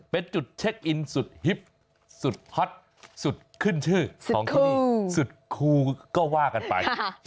เป็นจุดเช็คอินสุดฮิปสุดฮอตสุดขึ้นชื่อของที่นี่สุดคูก็ว่ากันไป